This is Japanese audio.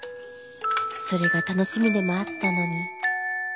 それが楽しみでもあったのに。